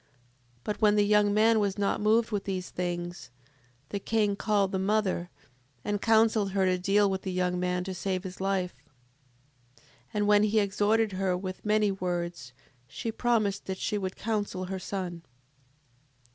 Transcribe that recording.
7:25. But when the young man was not moved with these things, the king called the mother, and counselled her to deal with the young man to save his life. 7:26. And when he had exhorted her with many words she promised that she would counsel her son.